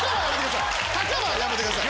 はやめてください。